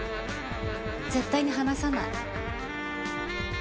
絶対に話さない。